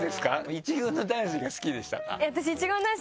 １軍の男子が好きでしたか？